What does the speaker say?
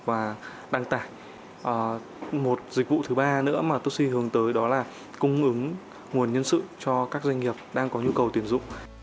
và đăng tải một dịch vụ thứ ba nữa mà topci hướng tới đó là cung ứng nguồn nhân sự cho các doanh nghiệp đang có nhu cầu tuyển dụng